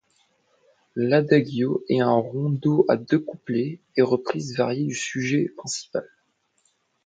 L'Adagio est un rondo à deux couplets et reprises variés du sujet principal.